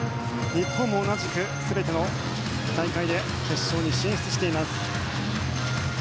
日本も同じく全ての大会で決勝に進出しています。